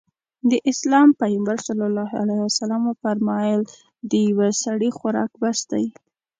د اسلام پيغمبر ص وفرمايل د يوه سړي خوراک بس دی.